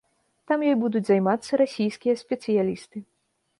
Там ёй будуць займацца расійскія спецыялісты.